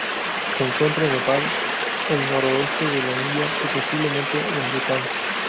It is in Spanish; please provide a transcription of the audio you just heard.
Se encuentra en Nepal, el noroeste de la India y, posiblemente en Bután.